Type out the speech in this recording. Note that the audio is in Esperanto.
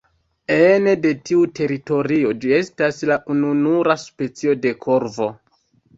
Ene de tiu teritorio ĝi estas la ununura specio de korvo.